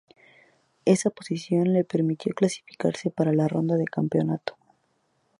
Esa posición le permitió clasificarse para la ronda de campeonato.